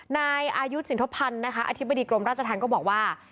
นายอายุทศิลปันธ์อทิบดีกรมราชธรรมก็บอกว่า